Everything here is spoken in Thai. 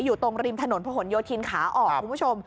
อยู่ตรงริมถนนพระหลโยธินขาออกคุณผู้ชม